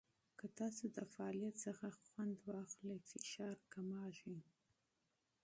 که تاسو د فعالیت څخه خوند واخلئ، فشار کمېږي.